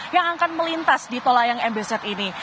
yang akan melintas di tolayang mbz ini